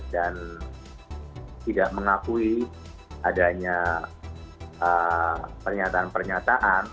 dan tidak mengakui adanya pernyataan pernyataan